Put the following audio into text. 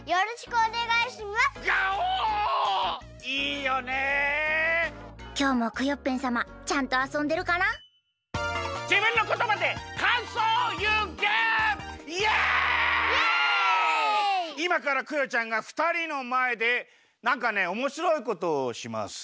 いまからクヨちゃんがふたりのまえでなんかねおもしろいことをします。